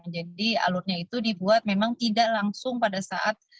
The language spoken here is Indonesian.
jadi alurnya itu dibuat memang tidak langsung pada saat